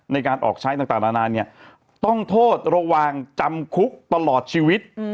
ในการออกใช้ต่างนานาเนี่ยต้องโทษระหว่างจำคุกตลอดชีวิต